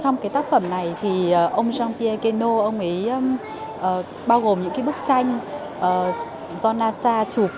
trong tác phẩm này ông jean pierre guénot bao gồm những bức tranh do nasa chụp